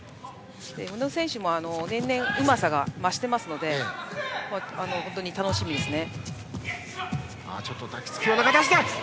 宇野選手も年々うまさが増していますので本当に楽しみですね。